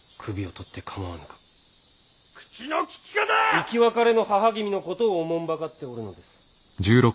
生き別れの母君のことをおもんばかっておるのです。